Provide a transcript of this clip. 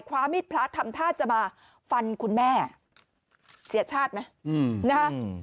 ความมิตรพระธรรมธาตุจะมาฟันคุณแม่เสียชาติไหม